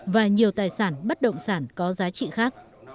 và nhiều tài sản bất động sản có giá trị khác